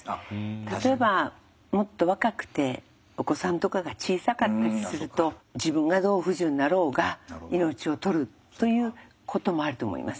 例えばもっと若くてお子さんとかが小さかったりすると自分がどう不自由になろうが命を取るということもあると思います。